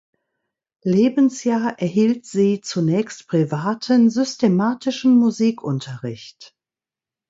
Lebensjahr erhielt sie zunächst privaten systematischen Musikunterricht.